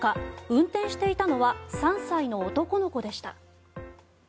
運転していたのは３歳の男の子でした。